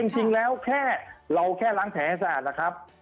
จริงแล้วเราแค่ล้างแช้นให้สะอาด